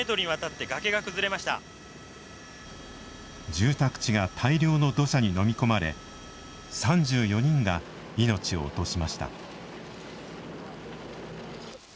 住宅地が大量の土砂に飲み込まれ３４人が命を落としました。